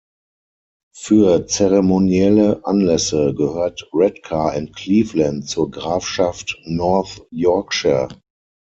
Für zeremonielle Anlässe gehört Redcar and Cleveland zur Grafschaft North Yorkshire.